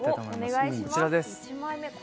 こちらです。